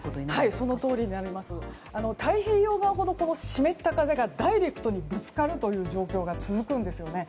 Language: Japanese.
そのとおりになりまして太平洋側ほど湿った風がダイレクトにぶつかる状況が続くんですよね。